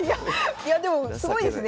いやでもすごいですね。